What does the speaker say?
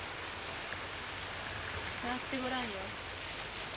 触ってごらんよ。